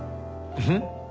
うん？